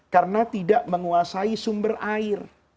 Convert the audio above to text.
karena tidak menguasai sumber air